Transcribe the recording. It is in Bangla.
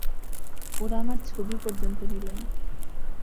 ওরা আমার ছবি পর্যন্ত নিলো না।